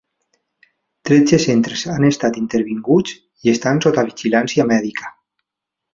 Tretze centres han estat intervinguts i estan sota vigilància mèdica.